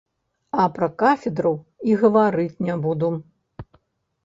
А пра кафедру і гаварыць не буду.